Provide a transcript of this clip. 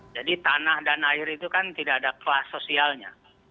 jadi tanah dan air itu kan tidak ada kelas sosialnya